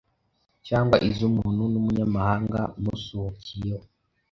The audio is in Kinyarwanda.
cyangwa iz’umuntu n’umunyamahanga umusuhukiyeho.